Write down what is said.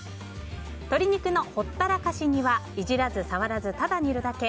鶏肉のほったらかし煮はいじらず、触らず、ただ煮るだけ。